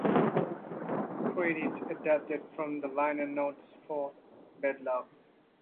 Credits adapted from the liner notes for "Bad Love".